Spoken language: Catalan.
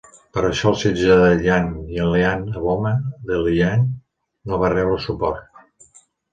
Per això el setge de Yan Liang a Boma, de Liyang, no va rebre suport.